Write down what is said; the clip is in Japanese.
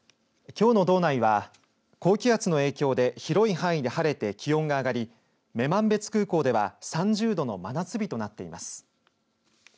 きょうの道内は高気圧の影響で広い範囲で晴れて気温が上がり女満別空港では３０度の真夏日となっています。